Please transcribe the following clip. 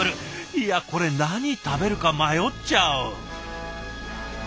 いやこれ何食べるか迷っちゃう。